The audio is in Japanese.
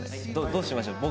どうしましょう？